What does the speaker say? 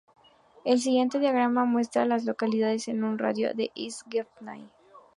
El siguiente diagrama muestra a las localidades en un radio de de East Gaffney.